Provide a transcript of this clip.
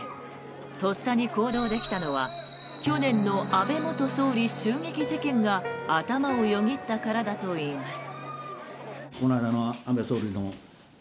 とっさに行動できたのは去年の安倍元総理襲撃事件が頭をよぎったからだといいます。